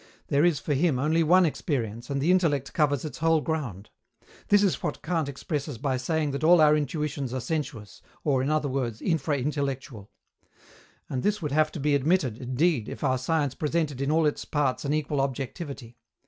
There is, for him, only one experience, and the intellect covers its whole ground. This is what Kant expresses by saying that all our intuitions are sensuous, or, in other words, infra intellectual. And this would have to be admitted, indeed, if our science presented in all its parts an equal objectivity.